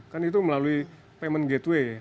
kan itu melalui payment gateway